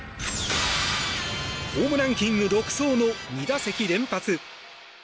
ホームランキング独走の２打席連発。